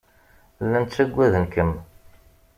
Llan ttaggaden-kem.